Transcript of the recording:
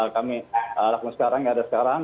kami lakukan sekarang yang ada sekarang